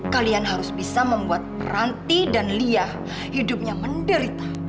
kalian harus bisa membuat peranti dan lia hidupnya menderita